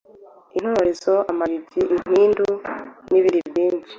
intorezo, amayugi, impindu, n'ibind byinshi.